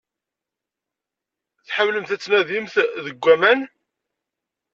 Tḥemmlemt ad tnadimt deg aman.